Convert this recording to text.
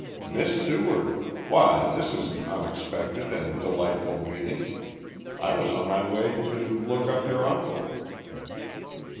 "Miss Seward! Why this is an unexpected and delightful meeting, I was on my way to look up your uncle."